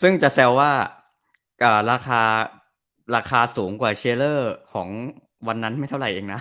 ซึ่งจะแซวว่าราคาราคาสูงกว่าเชียร์เลอร์ของวันนั้นไม่เท่าไหร่เองนะ